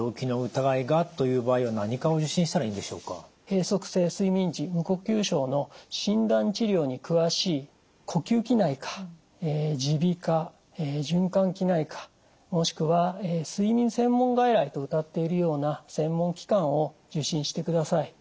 閉塞性睡眠時無呼吸症の診断治療に詳しい呼吸器内科耳鼻科循環器内科もしくは睡眠専門外来とうたっているような専門機関を受診してください。